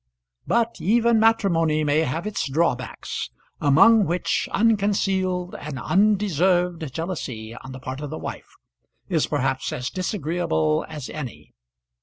But even matrimony may have its drawbacks; among which unconcealed and undeserved jealousy on the part of the wife is perhaps as disagreeable as any.